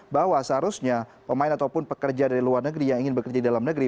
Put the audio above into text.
bahwa seharusnya pemain ataupun pekerja dari luar negeri yang ingin bekerja di dalam negeri